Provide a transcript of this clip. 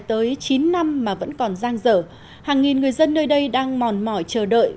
tới chín năm mà vẫn còn giang dở hàng nghìn người dân nơi đây đang mòn mỏi chờ đợi